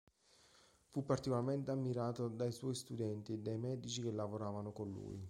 Fu particolarmente ammirato dai suoi studenti e dai medici che lavorarono con lui.